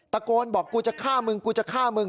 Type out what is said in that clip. ตะโกนบอกกูจะฆ่ามึง